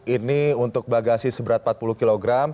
ini untuk bagasi seberat empat puluh kg